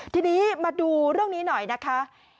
ทีนี้มาดูเรื่องนี้หน่อยนะคะ